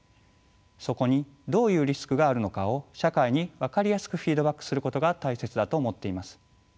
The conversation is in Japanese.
そこにどういうリスクがあるのかを社会に分かりやすくフィードバックすることが大切だと思っています。